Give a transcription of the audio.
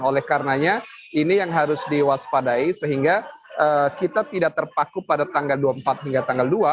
oleh karenanya ini yang harus diwaspadai sehingga kita tidak terpaku pada tanggal dua puluh empat hingga tanggal dua